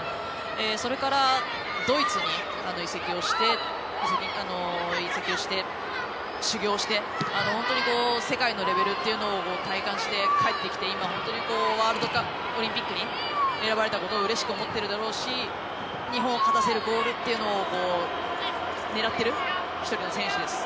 それからドイツに移籍をして修業をして本当に世界のレベルを体感して帰ってきて、今は本当にオリンピックに選ばれたことをうれしく思っているだろうし日本を勝たせるゴールっていうのを狙っている１人の選手です。